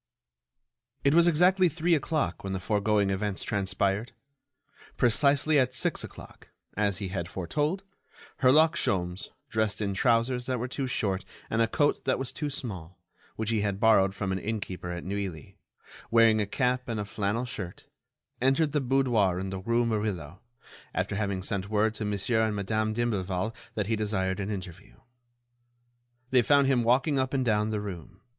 It was exactly three o'clock when the foregoing events transpired. Precisely at six o'clock, as he had foretold, Herlock Sholmes, dressed in trousers that were too short and a coat that was too small, which he had borrowed from an innkeeper at Neuilly, wearing a cap and a flannel shirt, entered the boudoir in the Rue Murillo, after having sent word to Monsieur and Madame d'Imblevalle that he desired an interview. They found him walking up and down the room.